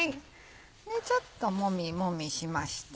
ちょっともみもみしまして。